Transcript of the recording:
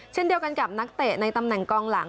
เช่นเดียวกันกับนักเตะในตำแหน่งกองหลัง